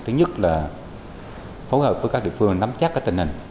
thứ nhất là phối hợp với các địa phương nắm chắc các tình hình